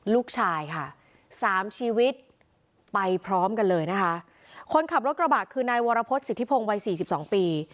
ลูกชายค่ะสามชีวิตไปพร้อมกันเลยนะคะคนขับรถกระบะคือนายวรพฤษสิทธิพงศ์วัยสี่สิบสองปี